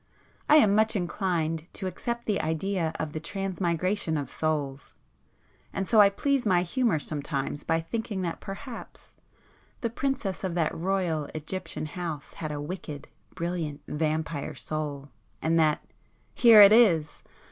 I am much inclined to accept the idea of the transmigration of souls, and so I please my humour sometimes by thinking that perhaps the princess of that Royal Egyptian house had a wicked, brilliant, vampire soul,—and that ... here it is!"